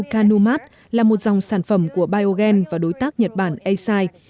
aduca numat là một dòng sản phẩm của biogen và đối tác nhật bản a side